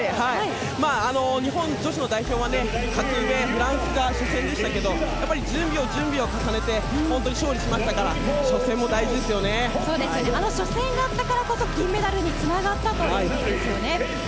日本女子の代表は格上フランスが初戦でしたけど準備を重ねて勝利しましたからあの初戦があったからこそメダルになったということですよね。